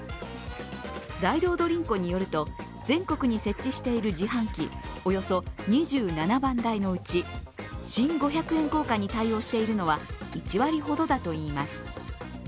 ダイドードリンコによると全国に設置している自販機、およそ２７万台のうち新五百円硬貨に対応しているのは１割ほどだといいます。